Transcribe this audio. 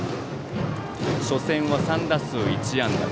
初戦は３打数１安打。